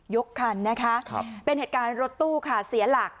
ยกคันนะคะเป็นเหตุการณ์รถตู้ค่ะเสียหลัก